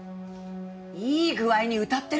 いい具合にうたってる。